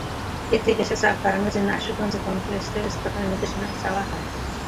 এতে গ্যাসের চাপ বাড়ানোর জন্য আশুগঞ্জে কমপ্রেসর স্থাপনের নির্দেশনা চাওয়া হয়।